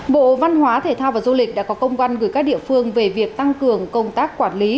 bộ văn hóa thể thao và du lịch đã có công văn gửi các địa phương về việc tăng cường công tác quản lý